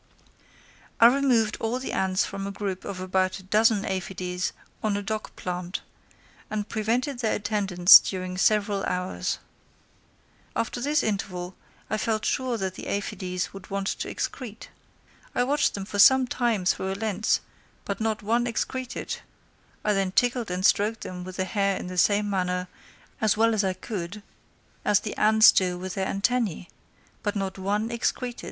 I removed all the ants from a group of about a dozen aphides on a dock plant, and prevented their attendance during several hours. After this interval, I felt sure that the aphides would want to excrete. I watched them for some time through a lens, but not one excreted; I then tickled and stroked them with a hair in the same manner, as well as I could, as the ants do with their antennæ; but not one excreted.